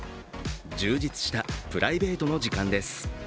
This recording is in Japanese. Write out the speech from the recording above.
充実したプライベートの時間です。